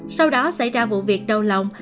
sau đó xảy ra vụ việc đau lòng